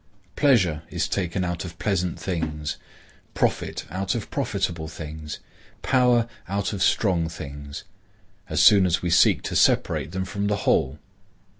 Pleasure is taken out of pleasant things, profit out of profitable things, power out of strong things, as soon as we seek to separate them from the whole.